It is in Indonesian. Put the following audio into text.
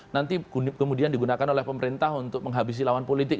nanti kemudian digunakan oleh pemerintah untuk menghabisi lawan politik